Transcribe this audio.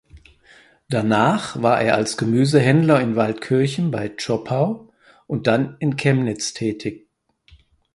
Danach war er als Gemüsehändler in Waldkirchen bei Zschopau und dann in Chemnitz tätig.